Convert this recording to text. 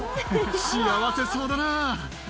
幸せそうだな。